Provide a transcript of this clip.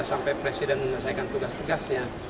sampai presiden menyelesaikan tugas tugasnya